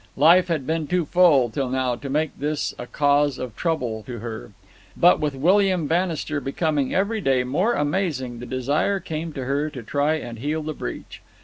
Life had been too full till now to make this a cause of trouble to her; but with William Bannister becoming every day more amazing the desire came to her to try and heal the breach.